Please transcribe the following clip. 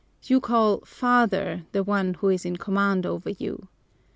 You call 'father' the one who is in command over you.